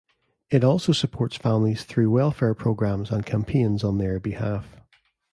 It also supports families through welfare programmes and campaigns on their behalf.